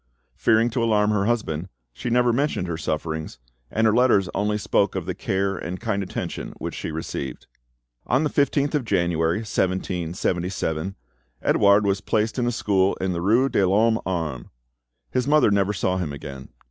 Fearing to alarm her husband, she never mentioned her sufferings, and her letters only spoke of the care and kind attention which she received. On the 15th of January, 1777, Edouard was placed in a school in the rue de l'Homme Arme. His mother never saw him again.